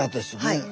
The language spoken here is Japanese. はい。